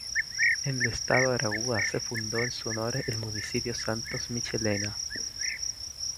En el estado Aragua se fundó en su honor el Municipio Santos Michelena.